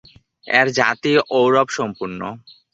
এর জাতি ঔড়ব-সম্পূর্ণ।